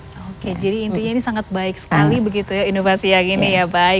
oke jadi intinya ini sangat baik sekali begitu ya inovasi yang ini ya pak